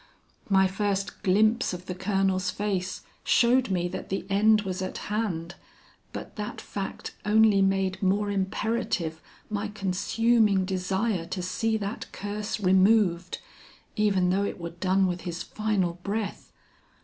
My first glimpse of the Colonel's face showed me that the end was at hand, but that fact only made more imperative my consuming desire to see that curse removed, even though it were done with his final breath.